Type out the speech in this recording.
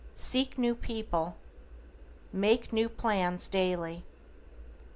Seek new people. MAKE NEW PLANS DAILY.